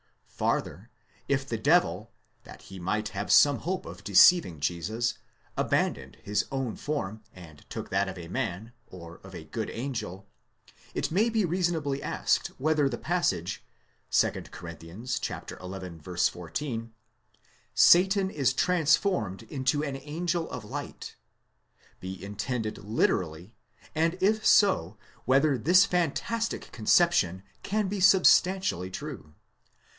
Farther, if the devil, that he might have some hope of deceiving Jesus, abandoned his own form, and took that of a man, or of a good angel ; it may be reasonably asked whether the passage, 2 Cor. xi. 14, Satan és transformed into an angel of light, be intended literally, and if so, whether this fantastic conception can be substantially true